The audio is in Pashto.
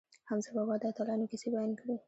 حمزه بابا د اتلانو کیسې بیان کړې.